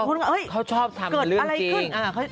เขาชอบทำเรื่องจริง